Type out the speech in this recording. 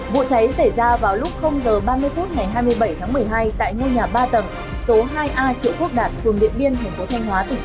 vụ cháy xảy ra vào lúc h ba mươi phút ngày hai mươi bảy tháng một mươi hai tại ngôi nhà ba tầng số hai a triệu quốc đạt phường điện biên tp hcm